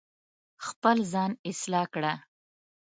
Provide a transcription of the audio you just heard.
خپل ځان اصلاح کړه